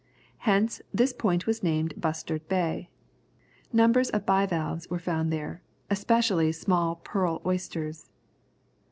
Hence, this point was named Bustard Bay. Numbers of bivalves were found there, especially small pearl oysters.